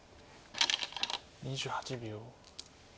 ２８秒。